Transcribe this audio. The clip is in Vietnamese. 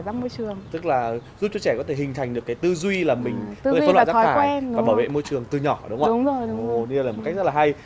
một cách rất là hay